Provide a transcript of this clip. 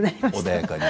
穏やかな。